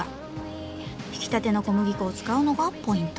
ひきたての小麦粉を使うのがポイント。